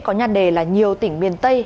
có nhan đề là nhiều tỉnh miền tây